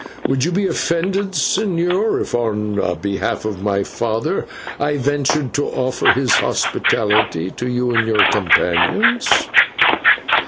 Would you be offended, señor, if, on behalf of my father, I ventured to offer his hospitality to you and your companions?"